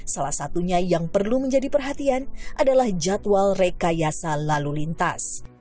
salah satunya yang perlu menjadi perhatian adalah jadwal rekayasa lalu lintas